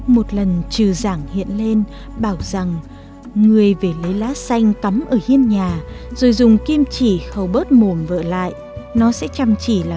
một lần trừ giảng hiện lên bảo rằng người về lấy lá xanh cắm ở hiên nhà rồi dùng kim chỉ khâu bớt mồm vợ lại nó sẽ chăm chỉ làm lụng và hiền lành như xưa